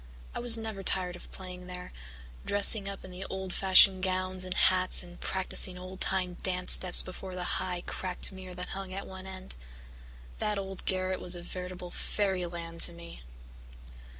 I was never tired of playing there, dressing up in the old fashioned gowns and hats and practising old time dance steps before the high, cracked mirror that hung at one end. That old garret was a veritable fairyland to me.